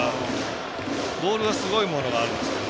ボールはすごいものがあるんですけど。